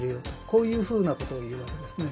こういうふうなことを言うわけですね。